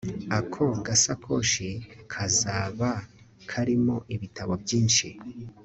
Ako gasakoshi kazaba karimo ibitabo byinshi